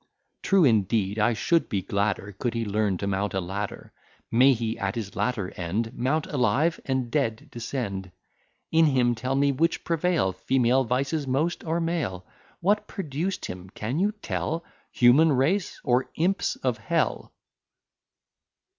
True indeed I should be gladder Could he learn to mount a ladder: May he at his latter end Mount alive and dead descend! In him tell me which prevail, Female vices most, or male? What produced him, can you tell? Human race, or imps of Hell?